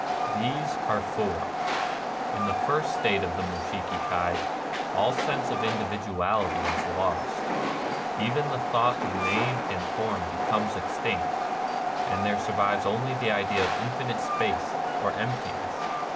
These are four. In the first state of the Mushiki Kai, all sense of individuality is lost: even the thought of name and form becomes ex tinct, and there survives only the idea of Infinite Space, or Emptiness.